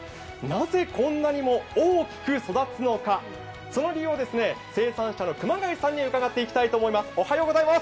なぜこんなにも大きく育つのかその理由を、生産者の熊谷さんに伺っていきたいと思います。